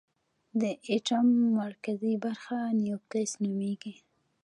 د ایټم مرکزي برخه نیوکلیس نومېږي.